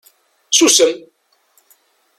Susem!